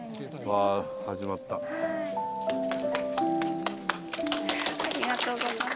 ありがとうございます。